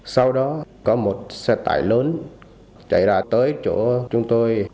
sau đó có một xe tải lớn chạy ra tới chỗ chúng tôi